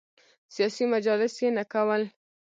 سیاسي مجالس یې نه کول.